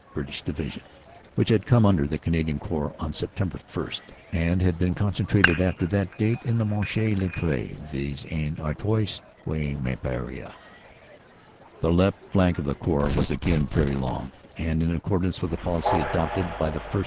(Brit ish) Division, which had come under the Canadian Corps on Sept. 1 and had been concentrated after that date in the Monchy le Preux Vis en Artois Guemappe area. "The left flank of the Corps was again very long, and in accordance with the policy adopted the 1st.